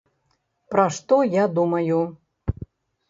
Пра што я думаю!